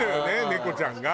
猫ちゃんが。